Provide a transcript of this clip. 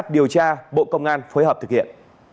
điều tra bộ công an phối hợp thực hiện